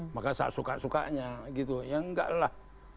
maka suka sukanya gitu ya enggak lah